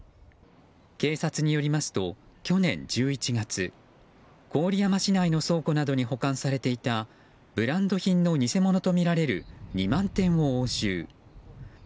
警察によりますと去年１１月郡山市内の倉庫などに保管されていたブランド品の偽物とみられる２万点を押収。